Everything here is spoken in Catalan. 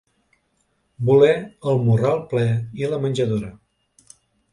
Voler el morral ple i la menjadora.